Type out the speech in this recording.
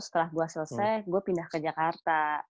setelah gue selesai gue pindah ke jakarta